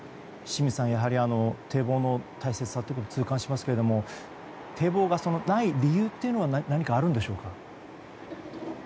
清水さん、やはり堤防の大切さを痛感しますけども堤防がない理由というのは何かあるんでしょうか。